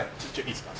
いいっすか？